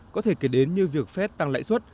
có thể kể đến như việc phép tăng lãi suất